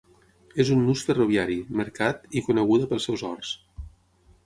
És un nus ferroviari, mercat, i coneguda pels seus horts.